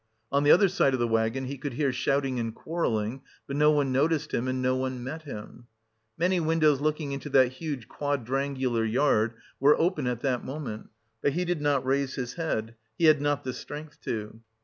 On the other side of the waggon he could hear shouting and quarrelling; but no one noticed him and no one met him. Many windows looking into that huge quadrangular yard were open at that moment, but he did not raise his head he had not the strength to.